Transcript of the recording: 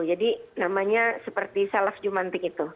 jadi namanya seperti salaf jumanpic itu